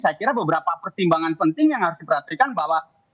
ada pertimbangan penting yang harus diperhatikan bahwa